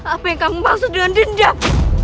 apa yang kau maksud dengan dendam